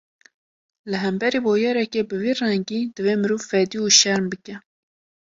Li hemberî bûyereke bi vî rengî, divê mirov fedî û şerm bike